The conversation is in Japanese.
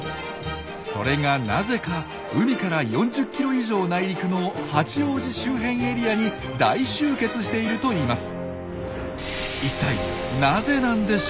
それがなぜか海から４０キロ以上内陸の八王子周辺エリアに大集結しているといいます。